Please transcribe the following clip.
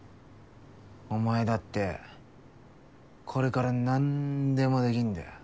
お前だってこれからなんでもできんだよ。